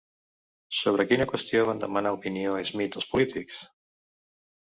Sobre quina qüestió van demanar opinió a Smith els polítics?